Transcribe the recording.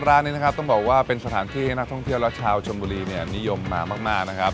ร้านนี้นะครับต้องบอกว่าเป็นสถานที่ให้นักท่องเที่ยวและชาวชนบุรีเนี่ยนิยมมามากนะครับ